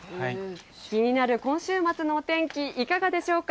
気になる今週末のお天気いかがでしょうか。